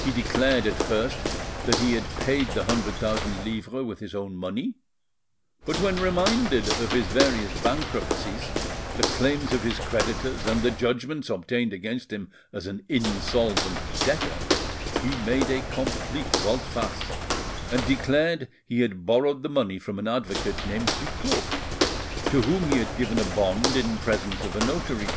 He declared at first that he had paid the hundred thousand livres with his own money but when reminded of his various bankruptcies, the claims of his creditors, and the judgments obtained against him as an insolvent debtor, he made a complete volte face, and declared he had borrowed the money from an advocate named Duclos, to whom he had given a bond in presence of a notary.